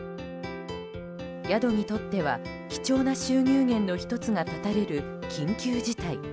宿にとっては、貴重な収入源の１つが絶たれる緊急事態。